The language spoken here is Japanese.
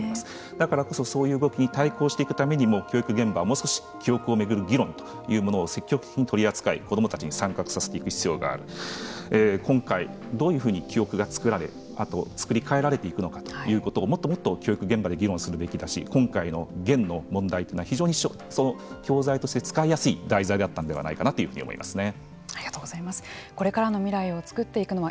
だからこそ、そういう動きに対抗していくためにも教育現場はもう少し記憶を巡る議論というものを積極的に取り扱い子どもたちを参画させていく今回どういうふうに記憶が作られあと作り替えられていくのかということをもっともっと教育現場で議論するべきだし今回のゲンの問題というのは非常に教材として使いやすい題材だったんではないかなというふうに思いますね。